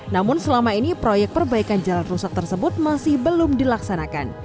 namun selama ini proyek perbaikan jalan rusak tersebut masih belum dilaksanakan